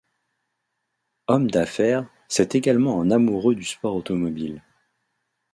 Homme d'affaires, c'est également un amoureux du sport automobile.